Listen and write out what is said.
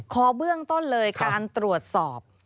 เบื้องต้นเลยการตรวจสอบ